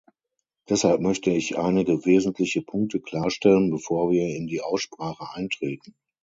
Deshalb möchte ich einige wesentliche Punkte klarstellen, bevor wir in die Aussprache eintreten.